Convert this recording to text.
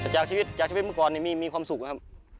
จากชีวิตเมื่อก่อนมีความสุขนะครับ